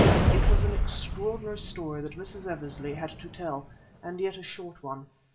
It was an extraordinary story that Mrs. Eversley had to tell, and yet a short one.